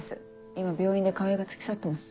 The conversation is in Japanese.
今病院で川合が付き添ってます。